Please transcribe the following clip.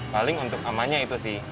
paling untuk amannya itu sih